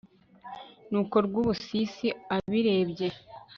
Nuko Rwubusisi abirebye